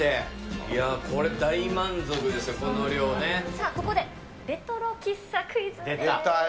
いやー、これ大満足ですよ、さあ、ここでレトロ喫茶クイ出たよ。